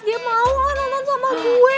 dia mau lah tonton sama gue